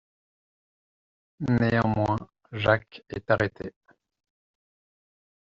Néanmoins, Jacques est arrêté.